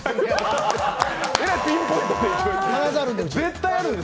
えらいピンポイントで。